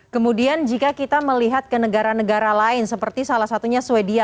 kemudian jika kita melihat ke negara negara lain seperti salah satunya sweden